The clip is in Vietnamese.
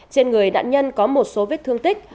trên người nạn nhân có một số vết thương tích